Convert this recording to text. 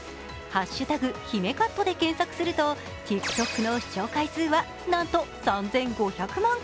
「＃姫カット」で検索すると、ＴｉｋＴｏｋの視聴回数はなんと３５００万回。